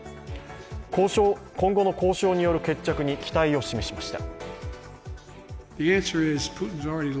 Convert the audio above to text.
今後の交渉による決着に期待を示しました。